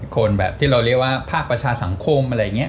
คนแบบที่เราเรียกว่าภาคประชาสังคมอะไรอย่างนี้